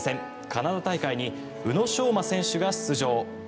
カナダ大会に宇野昌磨選手が出場。